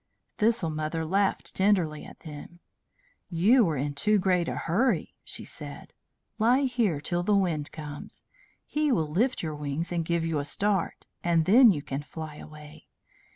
Thistle Mother laughed tenderly at them. "You were in too great a hurry," she said. "Lie here till the wind comes. He will lift your wings and give you a start, and then you can fly away.